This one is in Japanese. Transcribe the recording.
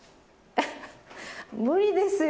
無理ですよ。